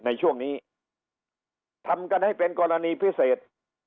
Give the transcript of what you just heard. ในช่วงนี้ทำกันให้เป็นกรณีพิเศษ